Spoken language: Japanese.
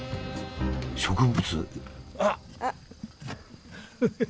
植物？